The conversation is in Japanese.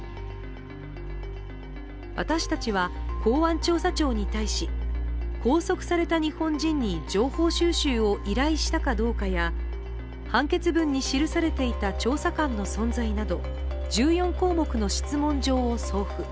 私たちは公安調査庁に対し、拘束された日本人に情報収集を依頼したかどうかや判決文に記されていた調査官の存在など１４項目の質問状を送付。